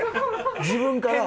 自分から。